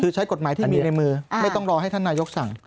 คือใช้กฎหมายที่มีในมือไม่ต้องรอให้ท่านนายกสั่ง